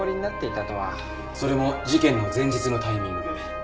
それも事件の前日のタイミングで。